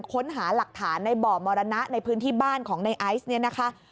ค้นหาหลักฐานในบ่อมรณะในพื้นที่บ้านของในไอซ์เนี่ยนะคะ